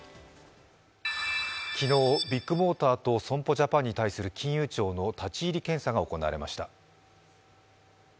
昨日ビッグモーターと損保ジャパンに対する金融庁の立ち入り検査が行われました。